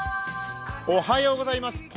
おはようございます。